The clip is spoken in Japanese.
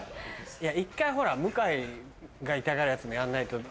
いや一回ほら向井が痛がるやつもやんないと。